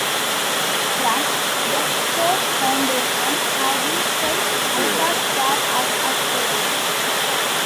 From Wexford, foundations have been sent out as far as Australia.